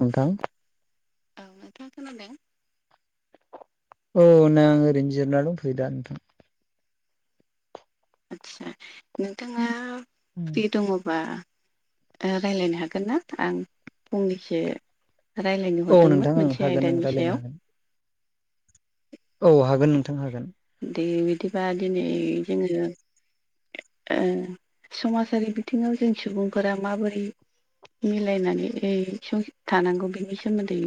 नोंथां। औ नोंथाङा खोनादों? औ नै आं ओरैनो जिरायना दंथयो दा नोंथां। आदसा नोंथाङा फ्रि दङबा। ओ रायलायनो हागोन ना आं फंनैसो। रायलायनो औ नोंथां हरदोंमोन ओं मोनसे हागोन ओं आयदानि रायलायनो सायाव। हागोन औ हागोन नोंथां हागोन। दे बिदिबा दिनै जोङो। ओ समाजारि बिथिङाव जों सुबुंफोरा माबोरै। मिलायनानै ओ सं थानांगौ बेनि सोमोन्दै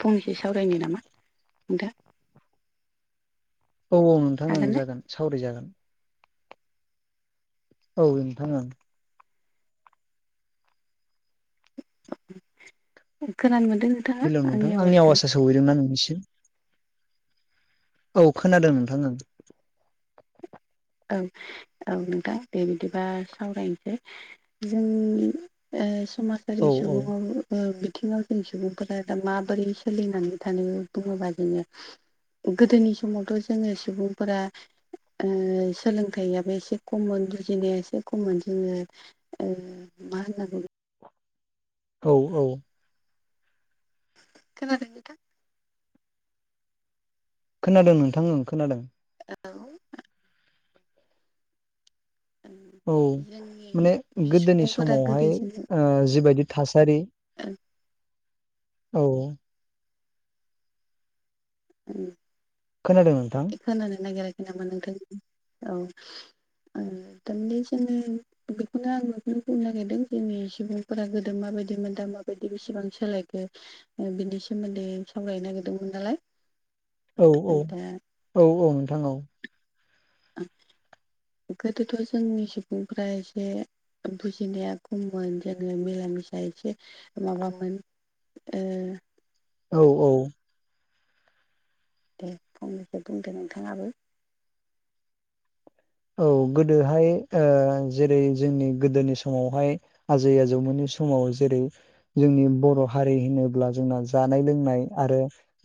फंनैसो सावरायनो नामा? [unintelligible] औ औ नोंथां ओं हागोन ना जागोन सावराय जागोन। औ नोंथां ओं। खोनानो मोनदों। नोंथाङा हेलौ नोंथां आंनि आवाजखौ आवासा सौहैदों ना नोंनिसिम। औ खोनादों नोंथां ओं। औ औ नोंथां दे बिदिबा सावरायनोसै। जोंनि ओ समाजारि ओं औ सुबुङावबो। ओ बिथिङाव जों सुबुंफोरा दा माबोरै सोलिनानै थानो बुङोबा जोङो। गोदोनि समावथ' जोङो सुबुंफोरा ओ। सोलोंथाइयाबो एसे खममोन जुजिनाया एसे खममोन जोङो। ओ मा होन्ना बुंगोन? औ औ। खोनादों नोंथां। खोनादों नोंथां ओं खोनादों। औ। औ माने जोंनि गोदोनि सुबुंफोरा गोदो समावहाय जोङो ओ जिबायदि थासारि। औ। उम। खोनादों नोंथां। खोनानो नागिराखै नामा नोंथां औ ओ [unintelligible] बेखौनो आं नोंथांनो बुंनो नागिरदों जोंनि सुबुंफोरा गोदो माबायदि मोन दा माबायदि बेसेबां सोलायखो। बिनि सोमोन्दै सावरायनो नागिरदोंमोन नालाय। औ औ दा औ औ नोंथां औ। गोदोथ' जोंनि सुबुंफ्रा एसे। बुजिनाया खममोन [unintelligible] मीला मिसा एसे माबामोन ओ औ औ दे फंनैसो बुंदो नोंथाङाबो औ गोदोहाय ओ जेरै जोंनि गोदोनि समावहाय आजै आजौ मोननि समाव जेरै जोंनि बर' हारि होनोब्ला जोंना जानाय लोंनाय आरो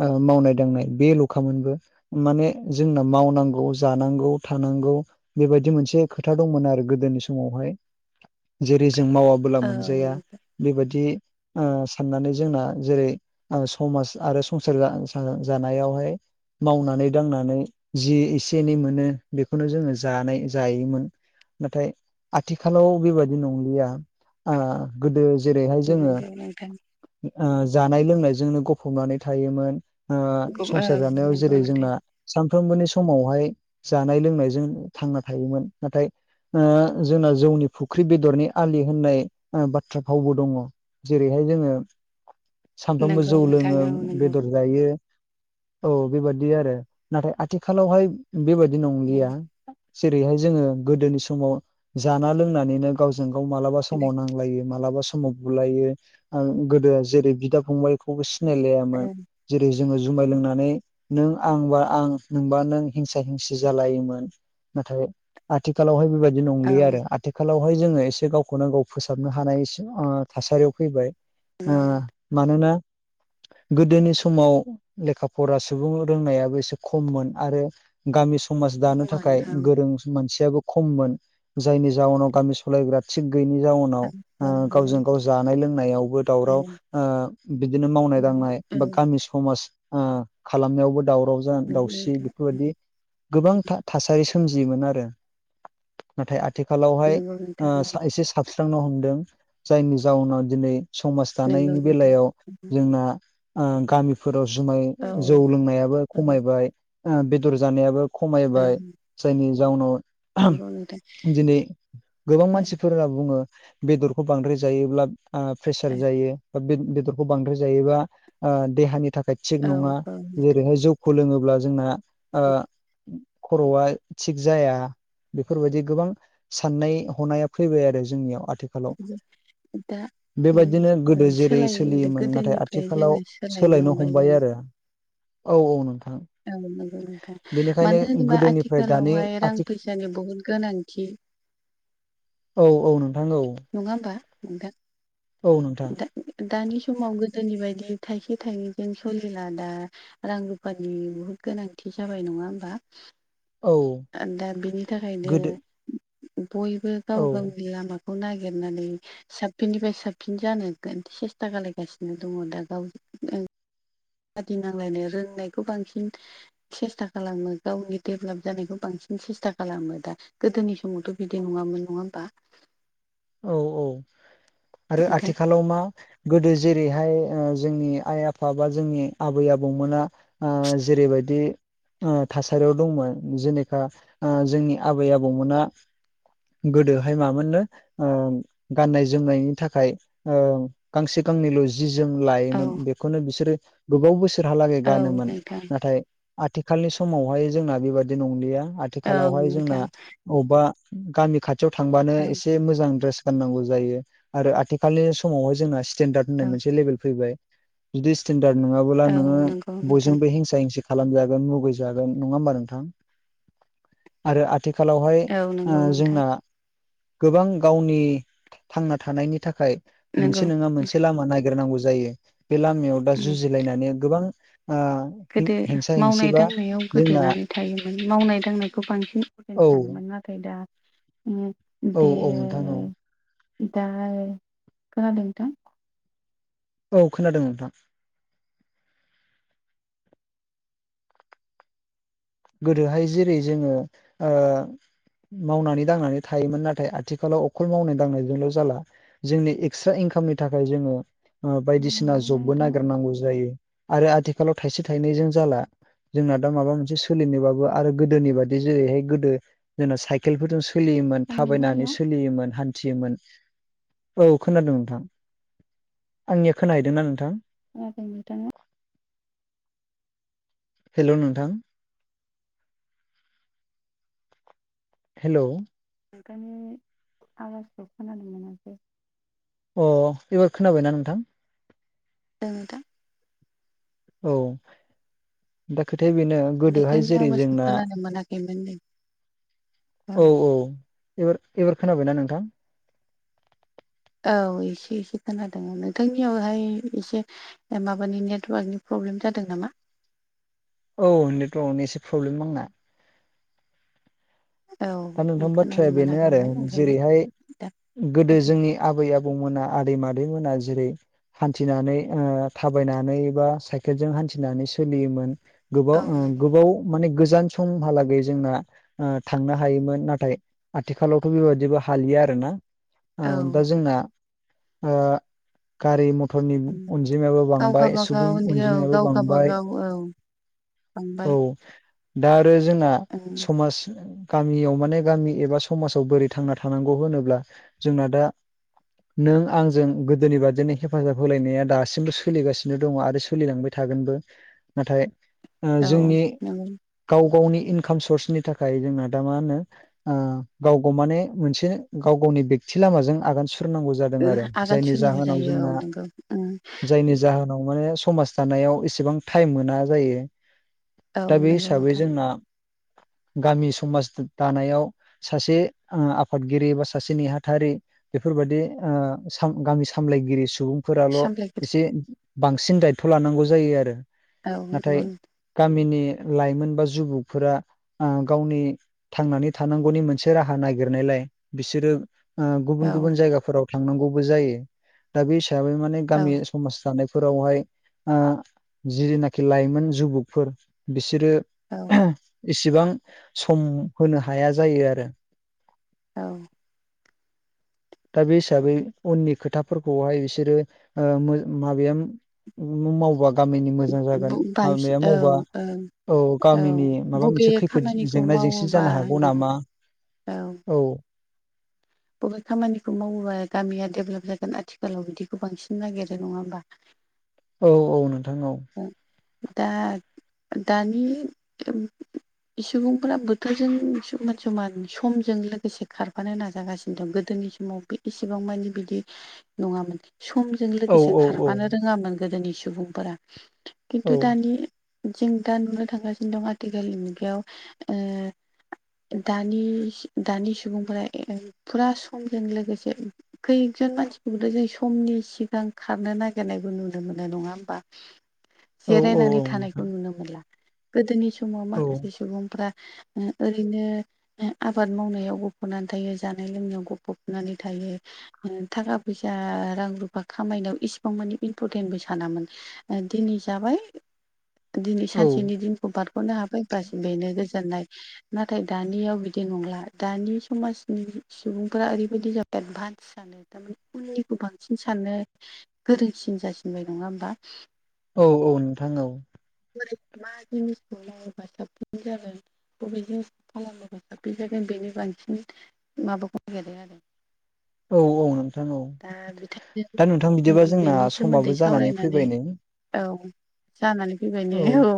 ओ मावनाय दांनाय बे ल'खामोनबो माने जोंना मावनांगौ जानांगौ थानांगौ बेबायदि मोनसे खोथा दंमोन आरो गोदोनि समावहाय जेरै जों मावा बोला औ मोनजाया बेबायदि आं साननानै जोंना जेरै आंसमाज आरो संसार जा-जा जानायावहाय मावनानै दांनानै जि एसे एनै मोनो बेखौनो जोङो। जानाय जायोमोन नाथाय आथिखालाव बेबादि नंलिया। आ गोदो जेरैहाय जोङो। नंगौ नोंथां जानाय लोंनायजोंनो गफबनानै थायोमोन। ओ संसार औ जानायाव नंगौ जेरै नोंथां जोंना सानफ्रोमबोनि समावहाय जानाय लोंनायजों, थांना थायोमोन नाथाय। ओ जोंना जौनि फुख्रि बेदरनि आलि होननाय बाथ्रा भावबो दङ। जेरैहाय जोङो सानफ्रामबो नंगौ जौ नोंथां लोङो औ नंगौ बेदर, जायो औ बेबादि आरो नाथाय आथिखालावहाय। बेबायदि नंलिया नंगौ जेरैहाय जोङो गोदोनि समाव जाना लोंनानैनो। गावजों गाव मालाबा समाव नांलायो मालाबा समाव बुलायो गोदो जेरै बिदा फंबायखौबो सिनायलायामोन। जेरै जोङो जुमाय लोंनानै। नों आंबा आं नोंबा नों हिंसा हिंसि जालायोमोन। नाथाय आथिखालावहाय बेबायदि औ नंलिआ आरो आथि आथिखालावहाय जोङो एसे गावखौनो गाव फोसाबनो हानाय सिम थासारियाव फैबाय ओ नंगौ नोंथां मानोना गोदोनि समाव, लेखा फरा सुबुं रोंनायाबो एसे खममोन आरो गामि समाज दानो थाख खममोन औ जों मानसियाबो खममोन जायनि जाउनाव गामि सालायग्रा थिग गैयैनि जाउनाव, नंगौ ओ गावजों गाव जानाय लोंनायावबो दावराव, नोंथां ओ बिदिनो मावनाय दांनाय बा गामि समाज ओ खालामनायावबो दावराव। जान दाउसि बेफोरबायदि गोबां था थासारि सोमजियोमोन आरो नाथाय आथिखालावहाय ओ सा एसे साबस्रांनो हमदों जायनि जाउनाव दिनै। समाज नंगौ दानायनि बेलायाव नोंथां जोंना ओ गामिफोराव जुमाय। औ जौ लोंनायाबो औ खमायबाय बेदर जानायाबो औ खमायबाय। जायनि जाउनाव नंगौ नोंथां दिनै। गोबां मानसिफोरा बुङो बेदरखौ बांद्राय जायोब्ला प्रेसार आ जायो। बेदरखौ बांद्राय जायोबा ओ देहानि थाखाय थिग औ नङा औ जेरैहाय जौ खौ लोङोब्ला जोंना ओ खर'आ थिग जाया। बेफोरबायदि गोबां साननाय हनाया फैबाय आरो जोंनियाव आथि दा बेबायदिनो औ गोदो जेरै सोलाय सोलियोमोन नाथाय गोदोनिफ्राय जोङो आथिखालाव सोलायनो जों हमबाय आरो औ औ नोंथां। औ नंगौ नोंथां बेनिखायनो मानो होनोबा गोदोनिफ्राय दानि आथिखालावहाय रां आथि फैसानि बुहुद गोनांथि। औ औ नोंथां औ। नङा होमबा नोंथां। औ नोंथां। दा दानि समाव गोदोनि बायदि थाइसे थाइनैजों सलिला दा रां रुफानि बुहुद गोनांथि जाबाय नङा होमबा। औ दा बिनि थाखायनो गोदो बयबो गाव औ गावनि लामा खौ नागिरनानै। साबसिननिफ्राय साबसिन जानो सेस्था खालायगासिनो दङ दा गावनो बादि नांलायनो रोंनायखौ बांसिन, सेस्था खालामो गावनि देभलाप जानायखौ बांसिन सेस्था खालामो दा, गोदोनि समावथ' बिदि नङामोन नङा होमबा? औ औ आरो नोंथां आथिखालाव मा गोदो जेरैहाय ओ जोंनि आइ आफा बा जोंनि आबै आबौमोना ओ जेरैबायदि ओ थासारियाव दंमोन जेनखा जोंनि आबै आबौमोना गोदोहाय मामोननो ओम गाननाय जोमनायनि थाखाय ओम गांसे गांनैल' जि जोम औ लायोमोन बेखौनो बिसोरो गोबाव बोसोराव लागै औ गानोमोन नोंथां नाथाय आथिखालनि समावहाय जोंना बेबादि नंलिया औ आथिखालावहाय जोंना नोंथां अबेबा गामि खाथियाव थांबानो औ एसे मो मोजां ड्रेस गाननांगौ जायो आरो आथिखालनि समावहाय जोंना स्टेेनडार्द होननाय मोनसे लेभेल फैबाय बिदि स्टेनडार्ड नङाब्ला औ नोङो औ नंगौ नोंथां बयजोंबो हिंसा हिंसि खालाम जागोन मुगै जागोन नङा होमबा नोंथां आरो आ आथि खालावहाय औ नंगौ नोंथां जोंना ओ गोबां गावनि थांना थानायनि थाखाय नंगौ मोनसे नङा मोनसे लामा ननायागिरनांगौ जायो। बे लामायाव बा उम जुजिलायनानै गोबां ओ गोदो हेंसा हेंसि मावनाय बा दांनायाव जोंना गोदोनानै थायोमोन मावनाय दांनायखौ बांसिन अजेन औ सानोमोन आरो ओमफायदा ओं औ औ बेयो नोंथां औ दा खोनादों नोंथां? औ खोनादों नोंथां गोदोहाय जेरै जोङो ओ मावनानै दांनानै थायोमोन नाथाय आथिखालाव अखल मावनाय दांनायजोंल' जाला जोंनि एक्सट्रा इनकामनि थाखाय जोङो ओ खोनानो बायदिसिना मोनदोंना जबबो नोंथाङा नागिरनांगौ जायो। आरो आथिखालाव थायसे थायनैजों जाला जोंना दा माबा मोनसे सोलिनोबाबो आरो गोदोनि बायदि जेरैहाय गोदो जों साइकेल फोरजों सो लियोमोन खोनानो मोनदों हेलौ थाबायनानै सोलियोमोन हान्थियोमोन। औ खोनादों नोंथां आंनिया खोनाहैदोंना नोंथां? फायाखै नोंथांनिया हेल' नोंथां हेलौ नोंथांनि आवाजखौ खोनानो मोनाखै अ एबार खोनाबायना नोंथां? ओ नोंथां औ दा खोथाया बेनो गोदोहाय नोंथांनि जेरै आवाजखौ जोंना खोनानो मोनाखैमोन नो औ औ एबार एबार खोनाबायना नोंथां? औ एसे एसे खोनहादों नोंथांनियाव हाय एसे ए माबानि नेटवार्कनि प्रब्लेम जादों नामा? औ नेटवर्कआवनो एसे प्रब्लेम आंना औ दा नोंथां खोनानो बाथ्राया बेनो आरो मोनाखैमोन ओंखायनो जेरैहाय दा गोदो जोंनि आबै आबौमोना आदै मादै मोना जेरै हान्थिनानै ओ थाबायनानै बा साइकेलजों हान्थिनानै सोलियोमोन औ गोबाव ओ नंगौ गोबाव नोंथां माने गोजान समहालागै जोंना ओ थांनो हा हायोमोन नाथाय आथिखालावथ बेबादिबो हालिया आरोना औ ओ दा जोंना आ गारि म गथफोरनि अनजिमायाबो गाव बांबाय सुबुं गावबागाव औ अनजिमायाबो गाव बांबाय गावबागाव औ बांबाय औ दा आरो जोंना ओं समाज गामियाव माने गामि एबा समाजाव बोरै थांना थानांगौ होनोब्ला जोंना दा नों आंजों गोदोनि बादिनो हेफाजाब होलायनाया दासिमबो सोलिगासिनो दङ आरो सोलिलांबाय थ थागोनबो नाथाय औ जोंनि नंगौ गाव गावनि इनकाम सर्सनि थाखाय जोंहा मा गाव म मोन गाव गावनि बेत लामाजों आगान सुरनांगौ जादों आरो आगान जायनि सुरनांगौ जाहोनाव जायो औ जोंहा नंगौ उम जाहोनाव माने समाज थानायाव एसेबां टाइम मोना जायो औ दा बे नंगौ हिसाबै नोंथां जोंना गामि समाज दानायाव सासे आफादगिरि बा सासे नेहाथारि बेफोरबायाददि गामि सामलायगिरि सुबुं फोराल सामलायगिरि एसे बांसिन दायथ लानांगौ जायो आरो औ नाथाय नंगौ गामिनि लाइमोन बा जुबुकफोरा गावनि थांनानै थानांगौनि मोनसे राहा नागिरनायलाय बिसोरो गुबुन औ गुबुन जायगाफोराव थांनांगौबो जायो दा बे हिसाबै माने औ गामि समाज थानायफोरावहाय जनाखि लाइमोन जुबुकफोर बिसोरो औ इसेबां सम होनो हाया जायो आरो औ दा बे हिसाबै उननि खोथाफोरखौहाय बिसोरो माबाया मावबा गामिनि मोजां जागोन बांसिन हामाया औ मावबा औ औ गामिनि माबा बबे खामानिखौ मोनसे जेंसि मावोबा जानो हागौ नामा औ बबे खामानिखौ मावोबा गामिया डेभेलप जागोन आथिखालाव बिदिखौ बांसिन नागिरो नङा होमबा औ औ नोंथां औ दा दानि सुबुंफोरा बोथोरजों समान समान समजों लोगोसे खारफानो नाजागासिनो दं गोदोनि समाव इसेबां मानि बिदि नङामोन समजों औ लोगोसे औ औ खारफानो रोङामोन गोदोनि सुबुंफोरा खिन्थु दानि जों दा नुनो थांगासिनो दं आथिखालनि मुगायाव दानि दानि सुबुंफोरा फुरा समजों लोगोसे खैकजन मानसिखौबोथ' जों समनि सिगां खारनो नागिरनायबो नुनो मोनो नङा होमबा औ जिरायनानै थानायखौ नुनो मोनला गोदोनि समाव नोंथां औ माखासे सुबुंफ्रा ओ बिनो आबाद मावनायाव गफनानै थायो जानाय लोंनायाव गफबनानै थायो थाखा फैसा रां रुफा खामायनायाव इसिबां मानिे इम्परटेन्टबो सानामोन दिनै जाबाय दिनै औ सानसेनि दिन खौ बारगनो हाबफै बास बेनो गोजोननाय नाथाय बिदि नंला दानि सुबुंफोरा ओरैबायदि जाबाय एडभान्स सानो थारमाने उननिखौ बांसिन साननो गोरोंसिन जासिनबाय नङा होमबा औ औ नोंथां औ। [unintelligible] बबेजों खालामोबा साबसिन जागोन बेनो बांसिन माबा [unintelligible] आरो औ औ नोंथां दा औ बिथांजों दा नोंथां उम बिदिबा जोंना बेनि सोमोन्दै समाबो जानानै सावरायनानै फैबाय नै औ जानानै फैबाय ने औ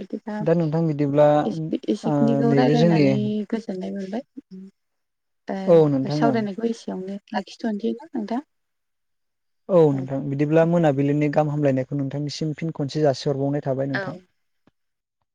बिदिबा दा नोंथां बिदिब्ला ओ एसे-एसेखिनिखौ नैबे जोंनि रायलायनानै गोजोननाय मोनबाय दा औ नोंथां ओं सावरायनायखौ एसेयावनो लाखिथ'नोसै नोंथां औ नोंथां बिदिब्ला मोनाबिलिनि गाहाम हामलायनायखौ नोंथांनिसिम फिन खनसे जासिहरबावनाय थाबाय औ नोंथां